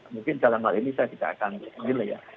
mungkin dalam hal ini saya tidak akan menilai ya